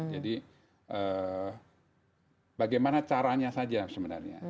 jadi bagaimana caranya saja sebenarnya